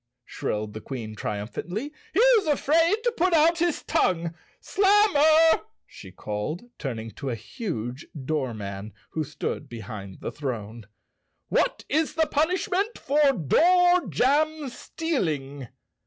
shrilled the Queen triumphantly, "he is afraid to put out his tongue. Slammer," she called, turning to a huge doorman, who stood behind the 82 _ Chapter Six throne, "what is the punishment for door jam steal¬ ing?"